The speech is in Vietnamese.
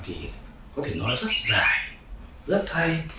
thì có thể nói rất dài rất hay